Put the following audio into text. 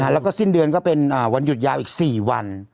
แล้วก็สิ้นเดือนก็เป็นวันหยุดยาวอีก๔วัน